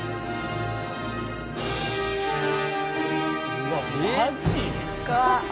うわマジ？